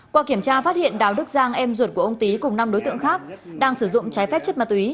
qua kiểm tra phát hiện đào đức giang em ruột của ông tý cùng năm đối tượng khác đang sử dụng trái phép chất ma túy